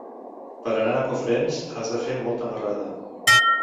Per anar a Cofrents has de fer molta marrada.